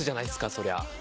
そりゃ。